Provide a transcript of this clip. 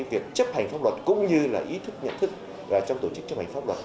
việc chấp hành pháp luật cũng như là ý thức nhận thức trong tổ chức chấp hành pháp luật